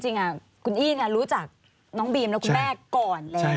จริงคุณอี้รู้จักน้องบีมและคุณแม่ก่อนแล้ว